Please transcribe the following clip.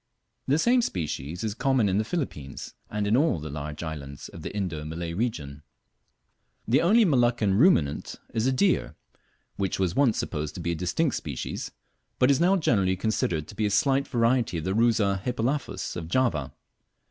The same species is common in the Philippines and in all the large islands of the Indo Malay region. The only Moluccan ruminant is a deer, which was once supposed to be a distinct species, but is now generally considered to be a slight variety of the Rusa hippelaphus of Java.